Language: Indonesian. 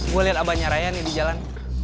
gue liat abahnya ryan yang di jalan